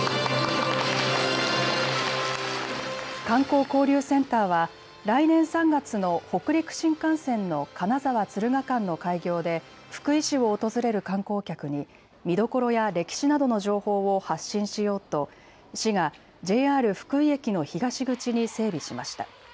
観光交流センターは来年３月の北陸新幹線の金沢・敦賀間の開業で福井市を訪れる観光客に見どころや歴史などの情報を発信しようと市がＪＲ福井駅の東口に整備しました。